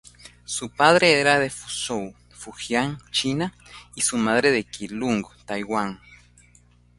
Su padre era de Fuzhou, Fujian, China y su madre de Keelung, Taiwan.